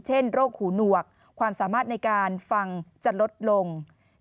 เช่นโรคหูหนวกความสามารถในการฟังจะลดลง